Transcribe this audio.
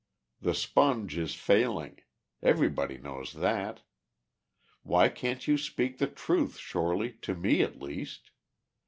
The Sponge is failing everybody knows that. Why can't you speak the truth, Shorely, to me, at least?